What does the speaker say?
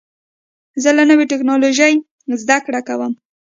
زه له نوې ټکنالوژۍ زده کړه کوم.